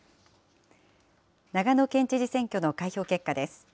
長野県知事選挙の開票結果です。